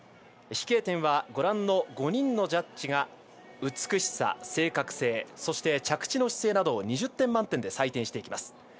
飛型点は５人のジャッジが美しさ、正確性そして着地の姿勢など２０点満点で採点していきます。